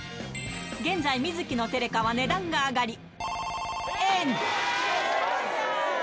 現在、観月のテレカは値段が上がり、×××円。